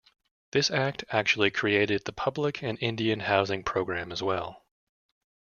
This act actually created the Public and Indian Housing program as well.